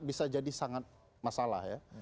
bisa jadi sangat masalah ya